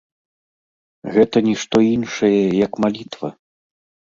Гэта нішто іншае, як малітва!